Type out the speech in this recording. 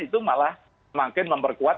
itu malah semakin memperkuat